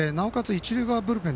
一塁側ブルペン